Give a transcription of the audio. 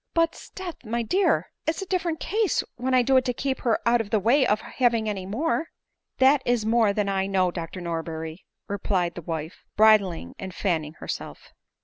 " But, sdeath, my dear, it is a different case, when I do it to keep her out o£ the way of having any more." " That is more thah I know, Dr Norberry," replied the wife, bridling and fanning herself.